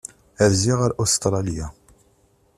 Rziɣ ar Ustṛalya.